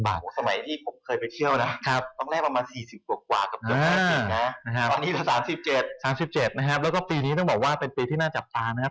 ๓๗บาทนะครับแล้วก็ปีนี้ต้องบอกว่าเป็นปีที่น่าจับตานะครับ